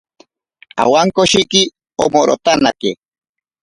Awankoshiki omorotanake.